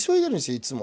いつも。